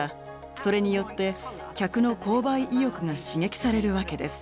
それによって客の購買意欲が刺激されるわけです。